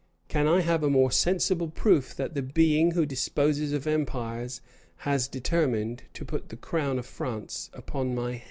Can I have a more sensible proof, that the Being who disposes of empires has determined to put the crown of France upon my head?"